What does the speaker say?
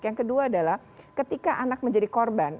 yang kedua adalah ketika anak menjadi korban